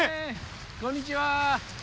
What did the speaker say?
こんにちは。